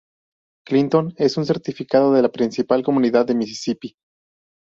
Clinton es un Certificado de la principal comunidad de Misisipi.